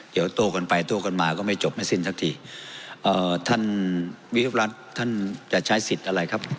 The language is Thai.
เดี๋ยวโตกันไปโต้กันมาก็ไม่จบไม่สิ้นสักทีเอ่อท่านวิรัติท่านจะใช้สิทธิ์อะไรครับ